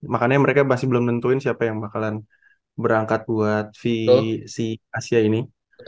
makanya mereka masih belum nentuin siapa yang bakalan berangkat buat si asia ini